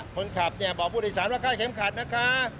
คนขับบอกผู้โดยสารว่าคาดเข็มขัดนะคะ